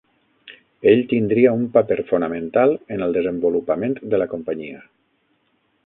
Ell tindria un paper fonamental en el desenvolupament de la companyia.